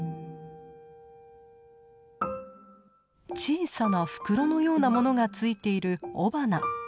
小さな袋のようなものが付いている雄花。